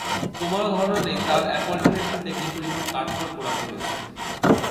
তোমার ধারণাও নেই তার এপয়েন্টমেন্ট নিতে কী পরিমাণ কাঠখড় পোড়াতে হয়েছে!